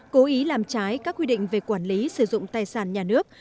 cố ý làm trái các quy định về quản lý sử dụng tài sản nhà nước